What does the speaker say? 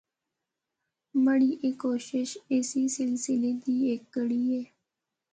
مڑی اے کوشش اسی سلسلے دی ہک کڑی ہے۔